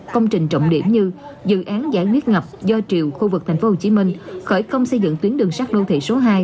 công trình trọng điểm như dự án giải quyết ngập do triều khu vực tp hcm khởi công xây dựng tuyến đường sát đô thị số hai